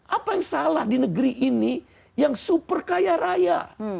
apa yang salah di negeri ini yang super kaya raya